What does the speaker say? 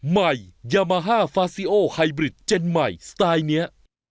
ใหม่ยามาฮ่าฟาซิโอไฮบริดเจนใหม่สไตล์นี้